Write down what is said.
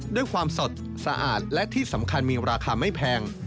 ด้วยความสดสะอาดและที่สำคัญมีราคาไม่แพง